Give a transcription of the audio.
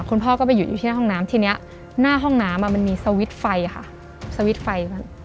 คุณพ่อก็ไปหยุดอยู่ที่หน้าห้องน้ำทีนี้หน้าห้องน้ำมันมีสวิตช์ไฟค่ะสวิตช์ไฟ